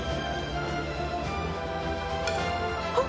あっ。